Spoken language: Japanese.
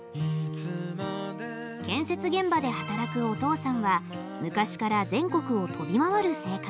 建設現場で働くお父さんは昔から全国を飛び回る生活。